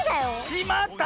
しまった！